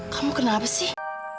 kamu kenapa sih